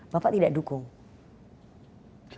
bapak tidak dipercaya